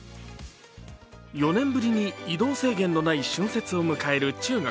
４年ぶりに移動制限のない春節を迎える中国。